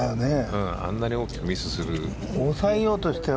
あんなに大きくミスするのは。